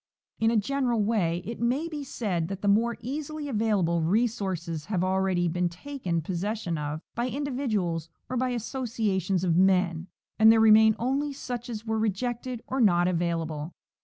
In a general way it may be said that the more easily available resources have already been taken possession of by individuals or by associa tions of men, and there remain only such as were rejected or not available.